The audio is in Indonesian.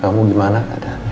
kamu gimana keadaannya